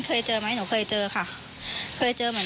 ค่ะหนูเคยเจอ